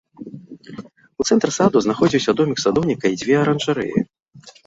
У цэнтры саду знаходзіўся домік садоўніка і дзве аранжарэі.